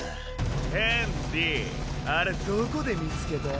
ヘンディあれどこで見つけた？